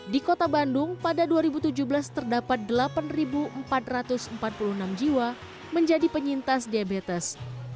di kota bandung pada dua ribu tujuh belas terdapat delapan empat ratus empat puluh enam jiwa menjadi penyintas diabetes